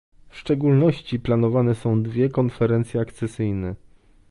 W szczególności planowane są dwie konferencje akcesyjne